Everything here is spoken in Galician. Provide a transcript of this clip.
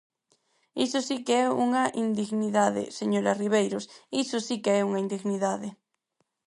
Iso si que é unha indignidade, señora Ribeiros, iso si que é unha indignidade.